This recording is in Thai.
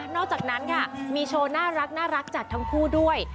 อกจากนั้นค่ะมีโชว์น่ารักจากทั้งคู่ด้วย